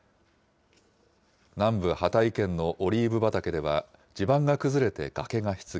南部ハタイ県のオリーブ畑では、地盤が崩れて崖が出現。